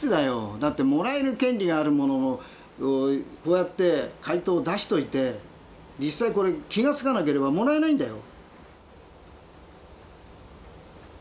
だってもらえる権利があるものをこうやって回答を出しといて実際これ気が付かなければもらえないんだよ。